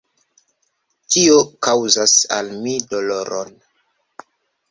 Tio kaŭzas al mi doloron.